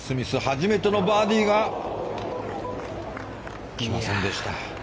初めてのバーディーが来ませんでした。